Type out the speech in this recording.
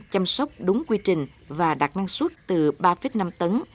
chăm sóc đúng quy trình và đạt năng suất từ ba năm tấn